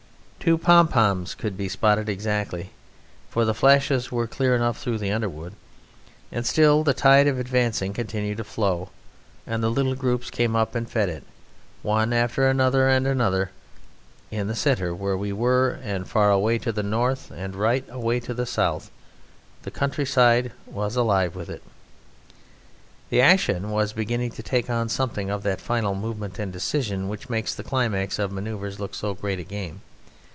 Two pompoms could be spotted exactly, for the flashes were clear through the underwood. And still the tide of the advance continued to flow, and the little groups came up and fed it, one after another and another, in the centre where we were, and far away to the north and right away to the south the countryside was alive with it. The action was beginning to take on something of that final movement and decision which makes the climax of manoeuvres look so great a game.